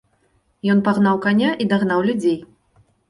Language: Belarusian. Ён пагнаў каня і дагнаў людзей.